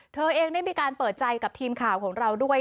เธอเองได้มีการเปิดใจกับทีมข่าวของเราด้วย